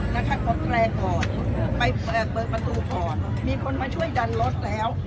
นะคะปลดแพร่ก่อนไปแบบเปิดประตูขอมีควรมาช่วยดันรถแล้ว